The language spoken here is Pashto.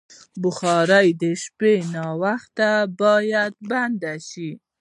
بخاري د شپې ناوخته باید بنده شي.